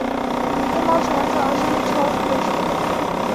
灰毛齿缘草是紫草科齿缘草属的植物。